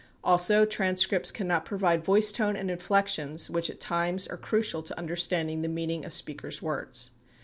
Also transcripts cannot provide voice tone and inflections which at times are crucial to understanding the meaning of speakers' words.